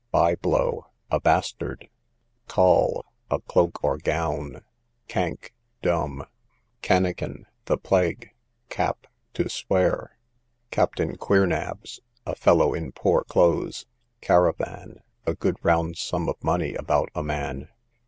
Bye blow, a bastard. Calle, a cloak or gown. Cank, dumb. Canniken, the plague. Cap, to swear. Captain Queernabs, a fellow in poor clothes. Caravan, a good round sum of money about a man.